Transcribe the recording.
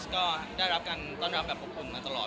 ก็ได้รับกันต้อนรับกับปกปรุงมาตลอด